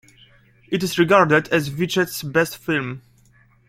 It is regarded as Vichet's best film.